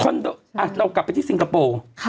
คอนโดนัระเรากลับไปที่สิงคโปร์